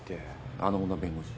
あの女弁護士。